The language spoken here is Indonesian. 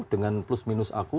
dengan plus minus aku